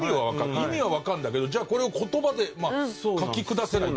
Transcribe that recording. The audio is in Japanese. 意味はわかるんだけどじゃあこれを言葉で書き下せないっていうか。